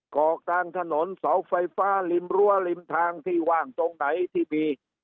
เกาะกลางถนนเสาไฟฟ้าริมรั้วริมทางที่ว่างตรงไหนที่มี